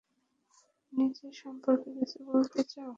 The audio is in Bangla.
নিজের সম্পর্কে কিছু বলতে চাও?